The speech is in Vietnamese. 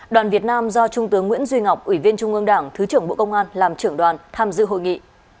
đoàn việt nam do trung tướng nguyễn duy ngọc ủy viên trung ương đảng thứ trưởng bộ công an làm trưởng đoàn tham dự hội nghị